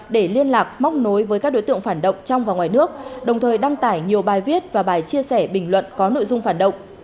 để liên lạc móc nối với các đối tượng phản động trong và ngoài nước đồng thời đăng tải nhiều bài viết và bài chia sẻ bình luận có nội dung phản động